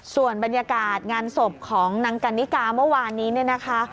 ส่วนบรรยากาศงานศพของนางกันนิกาเมื่อวานนี้เนี่ยนะคะ